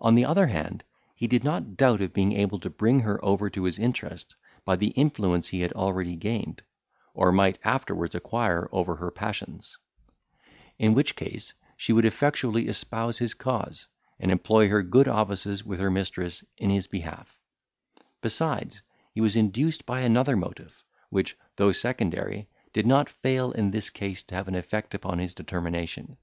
On the other hand, he did not doubt of being able to bring her over to his interest, by the influence he had already gained, or might afterwards acquire over her passions; in which case, she would effectually espouse his cause, and employ her good offices with her mistress in his behalf; besides, he was induced by another motive, which, though secondary, did not fail in this case to have an effect upon his determination.